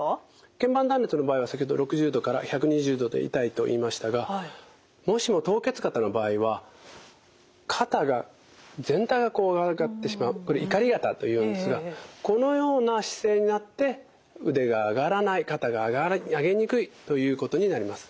けん板断裂の場合は先ほど６０度から１２０度で痛いと言いましたがもしも凍結肩の場合は肩が全体がこう上がってしまうこれいかり肩というんですがこのような姿勢になって腕が上がらない肩が上げにくいということになります。